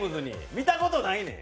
見たことないねん。